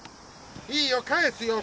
いいよ返すよ。